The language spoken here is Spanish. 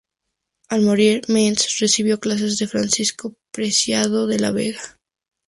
Al morir Mengs, recibió clases de Francisco Preciado de la Vega.